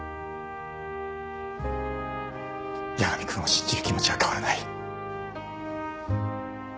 八神君を信じる気持ちは変わらない。